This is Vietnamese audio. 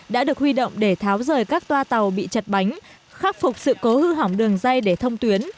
đã được huy động để tháo rời các toa tàu bị chật bánh khắc phục sự cố hư hỏng đường dây để thông tuyến